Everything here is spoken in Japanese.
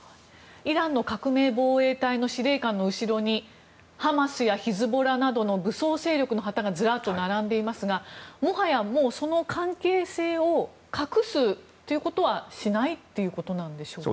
イランの革命防衛隊の司令官の後ろにハマスやヒズボラなどの武装勢力の旗がずらっと並んでいますがもはやその関係性を隠すということはしないということでしょうか？